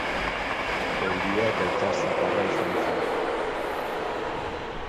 Euria eta itsas zakarra izan zen.